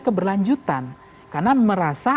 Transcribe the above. keberlanjutan karena merasa